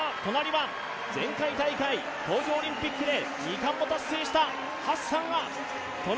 前回大会、東京オリンピックで２冠を達成したハッサンが隣。